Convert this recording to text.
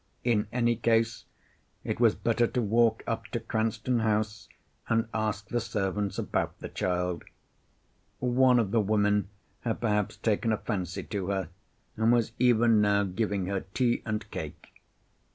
In any case it was better to walk up to Cranston House and ask the servants about the child. One of the women had perhaps taken a fancy to her, and was even now giving her tea and cake.